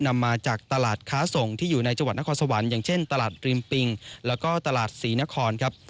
นำมาจากตลาดค้าส่งที่อยู่ในจังหวัดนครสวรรค์อย่างเช่นตลาดริมปิงแล้วก็ตลาดศรีนครครับ